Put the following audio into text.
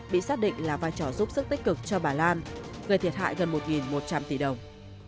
bị xác định là vai trò giúp sức tích cực cho bà lan gây thiệt hại gần một một trăm linh tỷ đồng